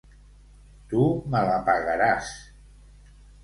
Tu me la pagaràs.